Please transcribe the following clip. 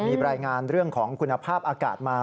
มีรายงานเรื่องของคุณภาพอากาศมา